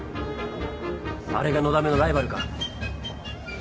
あれがのだめのライバルか？